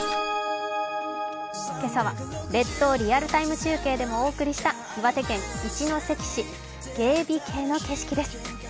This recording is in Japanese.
今朝は「列島リアルＴＩＭＥ！中継」でもお送りした岩手県一関市、猊鼻渓の景色です。